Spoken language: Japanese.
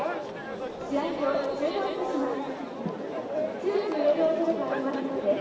試合を中断いたします。